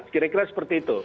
kira kira seperti itu